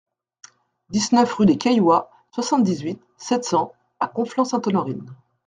dix-neuf rue des Cailloys, soixante-dix-huit, sept cents à Conflans-Sainte-Honorine